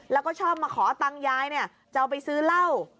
แล้วก็ชอบมาขอตังค์ยายเนี่ยจะเอาไปซื้อเหล้า